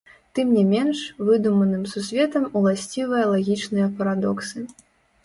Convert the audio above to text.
Тым не менш, выдуманым сусветам уласцівыя лагічныя парадоксы.